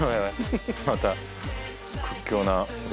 また屈強な男？